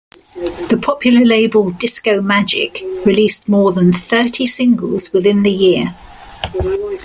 The popular label Disco Magic released more than thirty singles within the year.